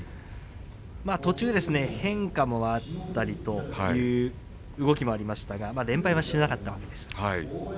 途中、変化もあったりという動きもありましたが連敗はしなかったわけです。